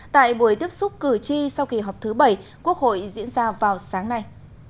tại buổi tiếp xúc cử tri sau kỳ họp thứ bảy quốc hội diễn ra vào sáng nay